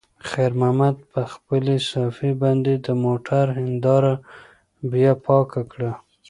خیر محمد په خپلې صافې باندې د موټر هینداره بیا پاکه کړه.